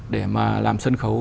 để mà làm sân khấu